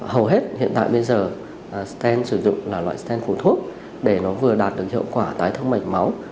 hầu hết hiện tại bây giờ stent sử dụng là loại stent phù thuốc để nó vừa đạt được hiệu quả tái thông mạch máu